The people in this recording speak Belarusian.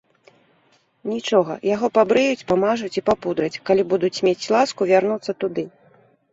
Нічога, яго пабрыюць, памажуць і папудраць, калі будуць мець ласку вярнуцца туды.